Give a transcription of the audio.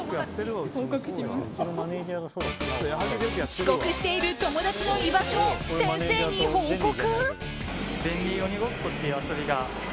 遅刻している友達の居場所を先生に報告。